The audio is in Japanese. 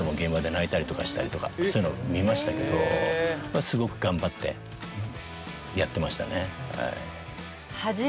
そういうのを見ましたけどすごく頑張ってやってましたね。